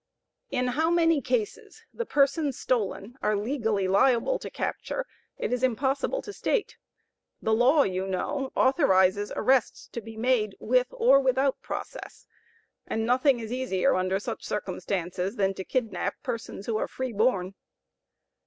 In how many cases the persons stolen are legally liable to capture, it is impossible to state. The law, you know, authorizes arrests to be made, with or without process, and nothing is easier under such circumstances than to kidnap persons who are free born.